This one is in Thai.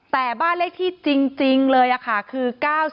แต่บ้านเลขที่จริงเลยค่ะคือ๙๔